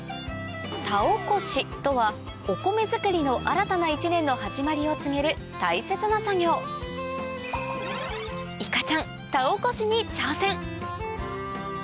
田起こしとはお米づくりの新たな１年の始まりを告げる大切な作業いかちゃん田起こしに挑戦！